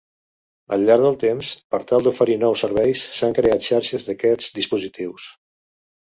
Al llarg del temps per tal d'oferir nous serveis s'han creat xarxes d'aquests dispositius.